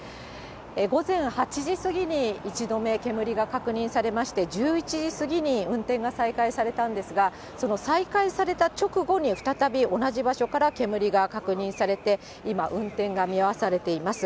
午前８時過ぎに１度目、煙が確認されまして、１１時過ぎに運転が再開されたんですが、その再開された直後に再び同じ場所から煙が確認されて、今、運転が見合されています。